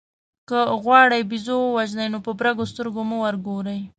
که غواړئ بېزو ووژنئ نو په برګو سترګو مه ورګورئ.